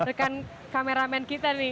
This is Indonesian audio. ini kameramen kita nih